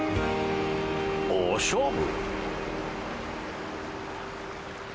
大勝負？